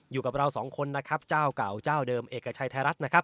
อยู่กับเราสองคนนะครับเจ้าเก่าเจ้าเดิมเอกชัยไทยรัฐนะครับ